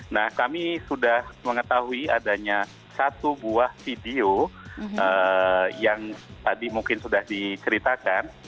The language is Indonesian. nah kami sudah mengetahui adanya satu buah video yang tadi mungkin sudah diceritakan